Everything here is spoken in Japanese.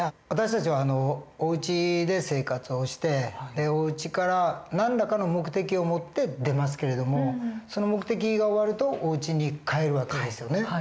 私たちはおうちで生活をしておうちから何らかの目的を持って出ますけれどもその目的が終わるとおうちに帰る訳ですよね。